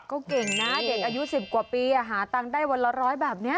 ก็เก่งนะเด็กอายุ๑๐กว่าปีหาตังค์ได้วันละร้อยแบบนี้